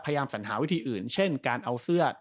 สัญหาวิธีอื่นเช่นการเอาเสื้อ